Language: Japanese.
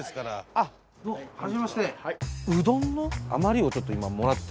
あっどうも初めまして。